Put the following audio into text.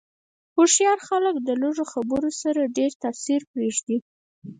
هوښیار خلک د لږو خبرو سره ډېر تاثیر پرېږدي.